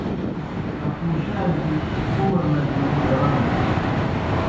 اکمُشِیار گیْ عمر لگِیون گرانُ۔